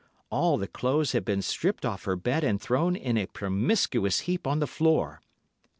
All the clothes had been stripped off her bed and thrown in a promiscuous heap on the floor.